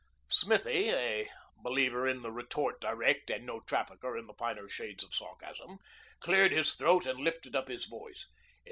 Smithy, a believer in the retort direct and no trafficker in the finer shades of sarcasm, cleared his throat and lifted up his voice.